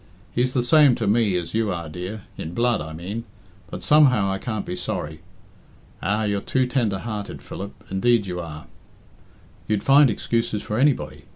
'He's the same to me as you are, dear in blood, I mean but somehow I can't be sorry.... Ah! you're too tender hearted, Philip, indeed you are. You'd find excuses for anybody.